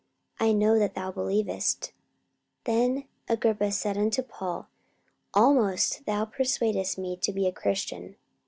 I know that thou believest. 44:026:028 Then Agrippa said unto Paul, Almost thou persuadest me to be a Christian.